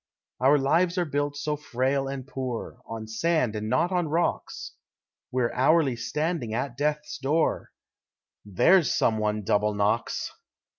Our lives are built so frail and poor, On sand and not on rocks, We're hourly standing at Death's door There's some one double knocks.